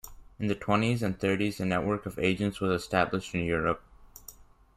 In the twenties and thirties, a network of agents was established in Europe.